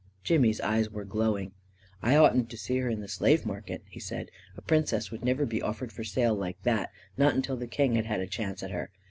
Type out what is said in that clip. Jimmy's eyes were glowing. " I oughtn't to see her in the slave market," he said. "A princess would never be offered for sale like that — not until the king had had a chance at her.